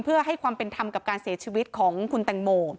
เพื่อให้ความเป็นธรรมกับการเสียชีวิตของคุณแตงโม